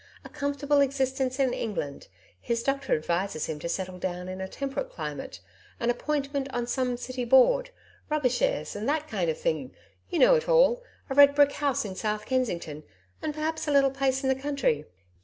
A comfortable existence in England his doctor advises him to settle down in a temperate climate an appointment on some City Board rubber shares and that kind of thing you know it all a red brick house in South Kensington and perhaps a little place in the country.